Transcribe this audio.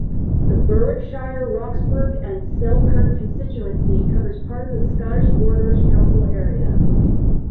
The Berwickshire, Roxburgh and Selkirk constituency covers part of the Scottish Borders council area.